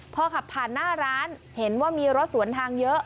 พอขับผ่านหน้าร้านเห็นว่ามีรถสวนทางเยอะ